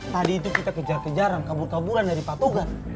tadi itu kita kejar kejaran kabur kaburan dari patungan